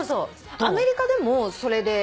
アメリカでもそれでいいの？